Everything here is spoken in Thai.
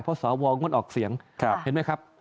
เพราะสวงดออกเสียงเห็นไหมครับ